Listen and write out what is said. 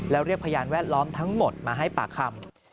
แล้วเรียกพยานแวดล้อมทั้งหมดมาให้ปากคำ